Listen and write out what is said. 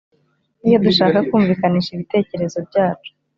iyo dushaka kumvikanisha ibitekerezo byacu